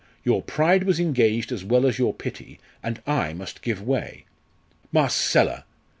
Your pride was engaged as well as your pity, and I must give way. Marcella!